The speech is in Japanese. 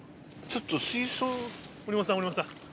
森本さん森本さん